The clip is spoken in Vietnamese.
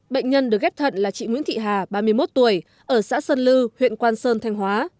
bệnh nhân được ghép thận là chị nguyễn thị hà ba mươi một tuổi ở xã sơn lư huyện quang sơn thanh hóa